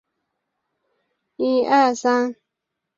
犍陀罗语佛教原稿是已发现最早的佛教文献及印度文献。